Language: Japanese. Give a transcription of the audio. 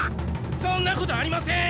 そんなことありません！